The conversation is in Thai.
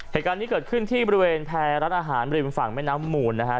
เหตุการณ์นี้เกิดขึ้นที่บริเวณแพรร้านอาหารริมฝั่งแม่น้ำมูลนะฮะ